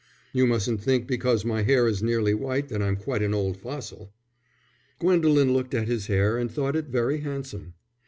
"You mustn't think because my hair is nearly white that I'm quite an old fossil." Gwendolen looked at his hair and thought it very handsome.